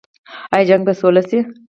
آیا جنګ به سوله شي؟